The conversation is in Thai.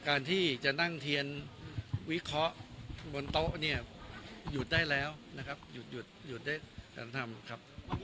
การที่จะนั่งเทียนวิเคราะห์บนโต๊ะหยุดได้แล้วหยุดได้การทำ